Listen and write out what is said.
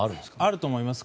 あると思います。